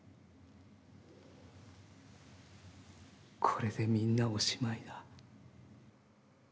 これで、みんなおしまいだ。